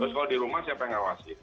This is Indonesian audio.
terus kalau di rumah siapa yang ngawasi